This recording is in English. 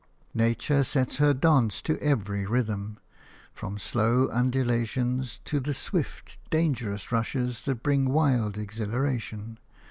Nature sets her dances to every rhythm, from slow undulations to the swift, dangerous rushes that bring wild exhilaration.